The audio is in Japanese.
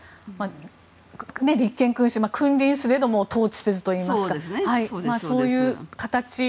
立憲君主君臨すれども統治せずというそういう形。